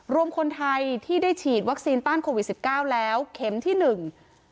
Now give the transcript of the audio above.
รวมคนไทยที่ได้ฉีดวัคซีนต้านโควิดสิบเก้าแล้วเข็มที่หนึ่ง